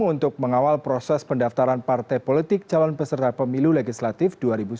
untuk mengawal proses pendaftaran partai politik calon peserta pemilu legislatif dua ribu sembilan belas